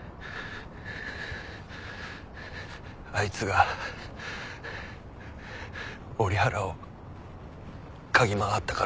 あいつが折原を嗅ぎ回ったからだ。